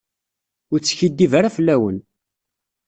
Ur teskiddib ara fell-awen.